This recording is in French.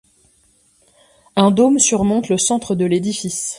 Un dôme surmonte le centre de l'édifice.